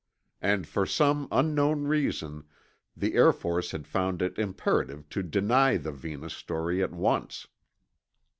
And for some unknown reason, the Air Force had found it imperative to deny the Venus story at once.